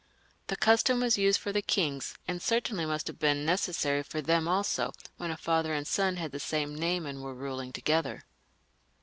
The custom was used for the kings, and certainly must have been necessary for them also, when a fether and son had the same name and were ruling together.